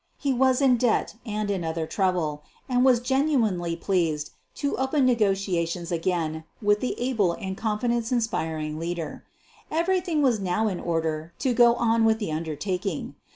He was in debt and in other trouble, and was genuinely pleased to open negotiations again with the able and confidence inspiring leader. Every thing was now in order to go on with the undertak ing.